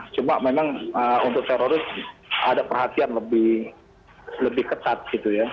cuma memang untuk teroris ada perhatian lebih ketat gitu ya